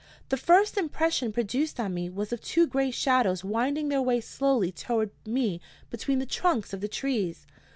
The first impression produced on me was of two gray shadows winding their way slowly toward me between the trunks of the trees.